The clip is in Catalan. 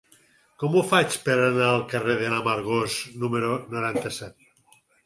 Com ho faig per anar al carrer de n'Amargós número noranta-set?